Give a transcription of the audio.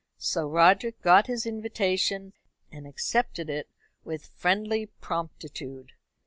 So Roderick got his invitation, and accepted it with friendly promptitude.